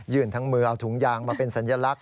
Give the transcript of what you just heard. ทั้งมือเอาถุงยางมาเป็นสัญลักษณ